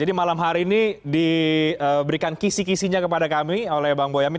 jadi malam hari ini diberikan kisih kisihnya kepada kami oleh bang boyamin